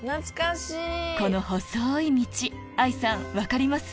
この細い道愛さん分かります？